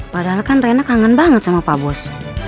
padahal kan rena kangen banget sama pak bos